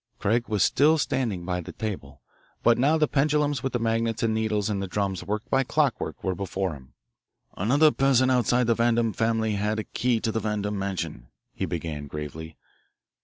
Craig was still standing by the table, but now the pendulums with the magnets and needles and the drums worked by clockwork were before him. "Another person outside the Vandam family had a key to the Vandam mansion," he began gravely.